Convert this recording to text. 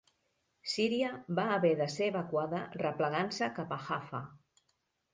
Síria va haver de ser evacuada replegant-se cap a Jaffa.